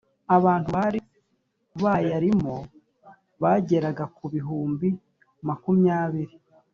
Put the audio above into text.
abantu bari bayarimo bageraga ku ibihumbi makumyabiri